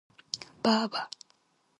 爸爸